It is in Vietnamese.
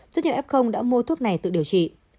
rất nhiều ép không đã mua thuốc này tự điều trị